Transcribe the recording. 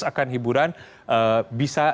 akan hiburan bisa